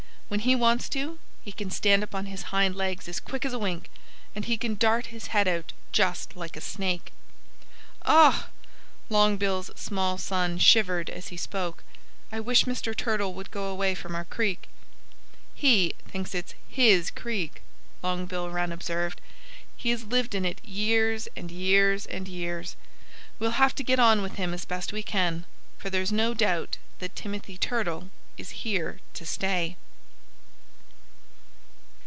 "When he wants to, he can stand up on his hind legs as quick as a wink. And he can dart his head out just like a snake." "Ugh!" Long Bill's small son shivered as he spoke. "I wish Mr. Turtle would go away from our creek." "He thinks it's his creek," Long Bill Wren observed. "He has lived in it years and years and years. We'll have to get on with him as best we can, for there's no doubt that Timothy Turtle is here to stay."